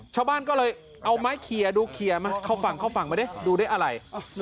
ชาวบ้านก็เลยเอาไม้เคลียร์ดูเคลียร์มาเข้าฝั่งเข้าฝั่งมาดิดูได้อะไร